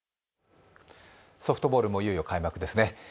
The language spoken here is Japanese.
ソフトボールもいよいよ開幕ですね。